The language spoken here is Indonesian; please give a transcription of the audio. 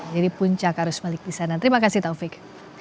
jadi puncak harus balik di sana terima kasih taufik